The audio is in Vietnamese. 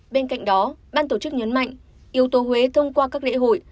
bên cạnh đó ban tổ chức nhấn mạnh yếu tố huế thông qua các lễ hội